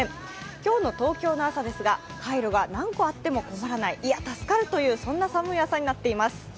今日の東京の朝ですが、カイロが何個あっても困らないいや、助かるというような、そんな朝となっています。